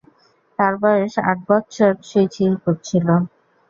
তার বয়স আট বৎসর ছুঁই ছুঁই করছিল।